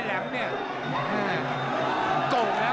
แล้วทีมงานน่าสื่อ